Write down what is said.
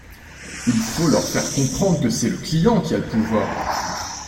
Il faut leur faire comprendre que c’est le client qui a le pouvoir.